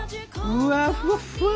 うわふわふわ。